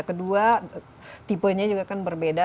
kedua tipenya juga kan berbeda